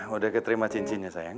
udah keterima cincinnya sayang